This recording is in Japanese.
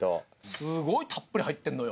すごいたっぷり入ってるのよ。